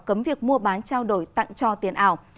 cấm việc mua bán trao đổi tặng cho tiền ảo